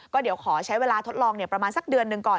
ก็เดี๋ยวขอใช้เวลาทดลองประมาณสักเดือนหนึ่งก่อน